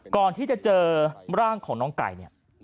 ก่อนที่จะเจอร่างของน้องไก่เนี่ย